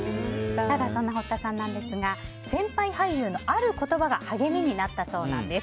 ただ、そんな堀田さんですが先輩俳優のある言葉が励みになったそうなんです。